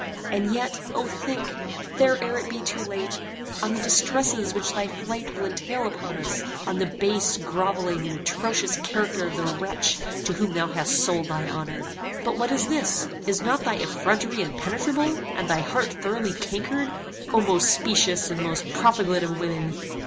And yet, O think, think ere it be too late, on the distresses which thy flight will entail upon us; on the base, grovelling, and atrocious character of the wretch to whom thou hast sold thy honor. But what is this? Is not thy effrontery impenetrable, and thy heart thoroughly cankered? O most specious, and most profligate of women!"